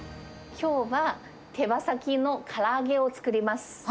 きょうは手羽先のから揚げを作ります。